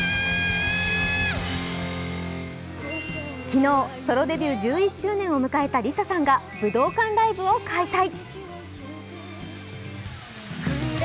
昨日、ソロデビュー１１周年を迎えたＬｉＳＡさんが武道館ライブを開催。